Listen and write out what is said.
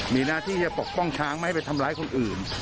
มีหน้าที่จะปกป้องช้างไม่ให้ไปทำร้ายคนอื่น